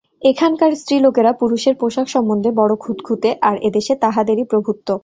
এখানকার স্ত্রীলোকেরা পুরুষের পোষাক সম্বন্ধে বড় খুঁতখুঁতে, আর এদেশে তাহাদেরই প্রভুত্ব।